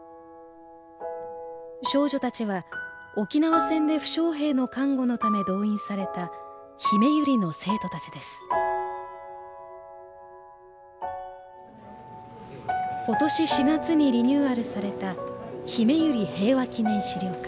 少女たちは沖縄戦で負傷兵の看護のため動員された今年４月にリニューアルされたひめゆり平和祈念資料館。